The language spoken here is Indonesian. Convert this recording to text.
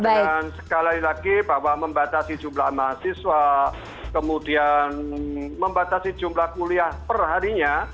dan sekali lagi bahwa membatasi jumlah mahasiswa kemudian membatasi jumlah kuliah perharinya